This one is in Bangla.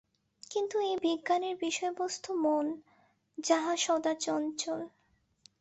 কিন্তু এই বিজ্ঞানের বিষয়বস্তু মন, যাহা সদা চঞ্চল।